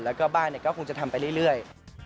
แล้วก็บ้านก็คงจะทำไปเรื่อย